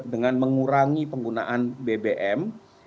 dengan mengurangi penggunaan bbm